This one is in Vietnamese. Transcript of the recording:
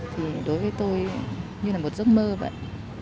thì đối với tôi như là một giấc mơ vậy